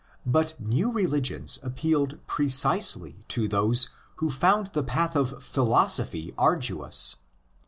But new religions appealed precisely to those who found the path of philosophy arduous.